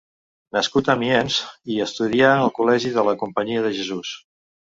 Nascut a Amiens, hi estudià al col·legi de la Companyia de Jesús.